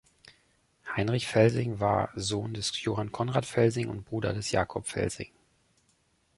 Heinrich Felsing war Sohn des Johann Conrad Felsing und Bruder des Jakob Felsing.